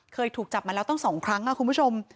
เคยถูกจับมาแล้วตั้ง๒ครั้งคุณผู้ชม